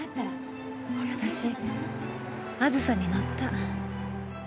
私あずさに乗った。